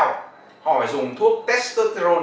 họ phải dùng thuốc testosterone